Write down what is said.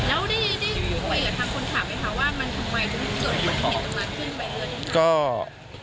แล้วนี่คุยกับทางคนขาวว่ามันทำไมทุกส่วนมันเห็นกำลังขึ้นไปเรือได้ไหม